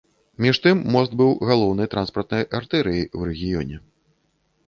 Між тым мост быў галоўнай транспартнай артэрыяй ў рэгіёне.